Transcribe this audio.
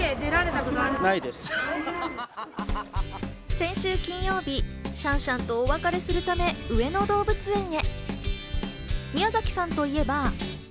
先週金曜日、シャンシャンとお別れするため、上野動物園へ。